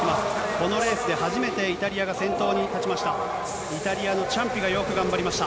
このレースで初めてイタリアが先頭に立ちました。